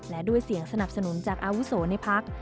และด้วยเสียงสนับสนุนจากอาวุโสในพัก